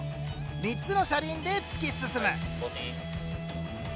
３つの車輪で突き進む。